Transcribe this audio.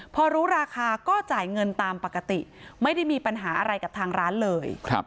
พอรู้ราคาก็จ่ายเงินตามปกติไม่ได้มีปัญหาอะไรกับทางร้านเลย